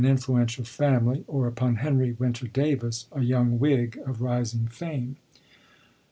influential family, or upon Henry Winter Davis, a young Whig of rising fame.